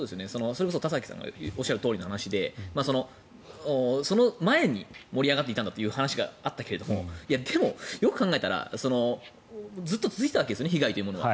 それこそ田崎さんがおっしゃるとおりの話でその前に盛り上がっていたんだという話があったけどでも、よく考えたらずっと続いていたわけですよね被害というものが。